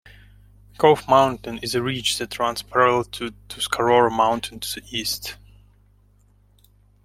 Cove Mountain is a ridge that runs parallel to Tuscarora Mountain to the east.